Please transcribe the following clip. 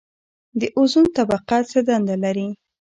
د اوزون طبقه څه دنده لري؟